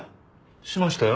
しましたよ。